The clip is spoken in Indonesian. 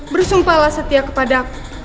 bersumpahlah setia kepada aku